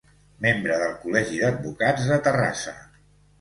Membre del Col·legi d'Advocats de Terrassa.